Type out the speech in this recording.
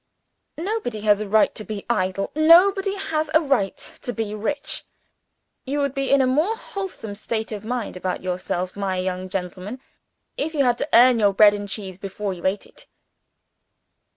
Nobody has a right to be idle nobody has a right to be rich. You would be in a more wholesome state of mind about yourself, my young gentleman, if you had to earn your bread and cheese before you ate it."